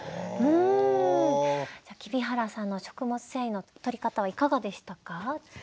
黍原さんの食物繊維のとり方はいかがでしたか？